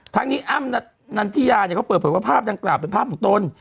ทั้งนี้อ้ำนันทิยาเนี่ยเขาเปิดเผยว่าภาพดังกล่าวเป็นภาพของตน